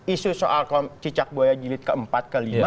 isu soal cicak buaya jilid ke empat ke lima